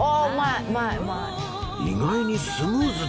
うまいうまい。